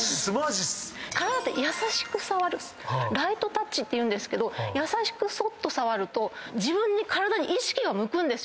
ライトタッチっていうんですけど優しくそっと触ると自分に体に意識が向く。